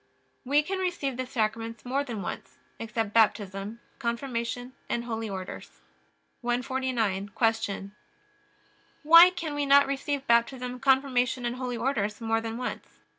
We can receive the Sacraments more than once, except Baptism, Confirmation, and Holy Orders. 149. Q. Why can we not receive Baptism, Confirmation, and Holy Orders more than once?